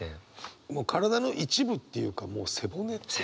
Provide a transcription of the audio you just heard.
もう体の一部っていうかもう背骨ってね。